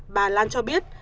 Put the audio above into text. bà lan cho biết